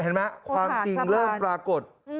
เห็นไหมความจริงเริ่มปรากฏ